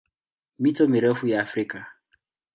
Mito mirefu ya Afrika